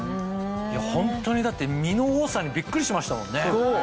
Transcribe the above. ホントにだって身の多さにビックリしましたもんね！